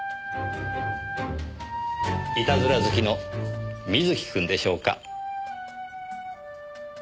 いたずら好きの瑞貴くんでしょうか？